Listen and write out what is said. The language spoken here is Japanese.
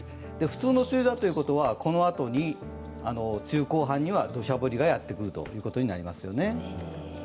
普通の梅雨ということはこのあと梅雨後半にはどしゃ降りがやってくるということになりますよね。